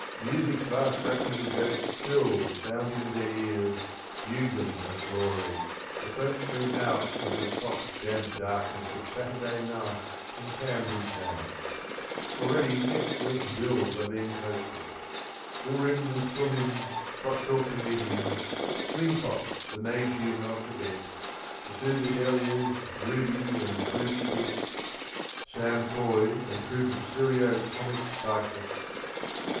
Music's last practical joke Still sounding in their ears, bugling of glory. The folk stream out into the soft damp darkness Of Saturday night in Camden Town. Already next week's bills are being posted :— Urim and Thummim, cross talk comedians, Ringpok, the Magian of Thibet, The Two Bedelias, Ruby and Truby Dicks, Sam Foy and Troupe of Serio Comic CycUsts